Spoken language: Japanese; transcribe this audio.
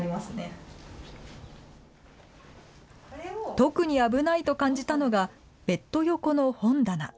特に危ないと感じたのが、ベッド横の本棚。